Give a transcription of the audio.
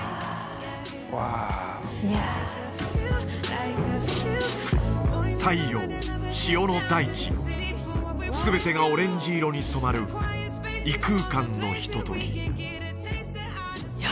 ワオイエア太陽塩の大地全てがオレンジ色に染まる異空間のひとときいや